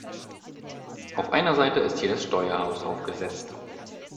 Auf einer Seite ist hier das Steuerhaus aufgesetzt.